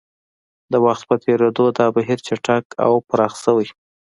د وخت په تېرېدو دا بهیر چټک او پراخ شوی.